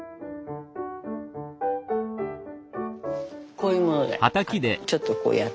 こういうものでちょっとこうやったり。